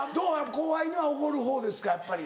後輩にはおごる方ですかやっぱり。